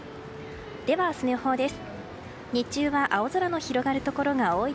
では、明日の予報です。